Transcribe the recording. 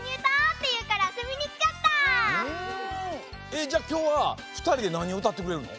えじゃあきょうはふたりでなにをうたってくれるの？